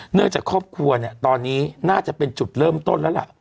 จากครอบครัวเนี่ยตอนนี้น่าจะเป็นจุดเริ่มต้นแล้วล่ะ